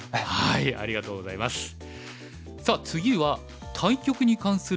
ありがとうございます。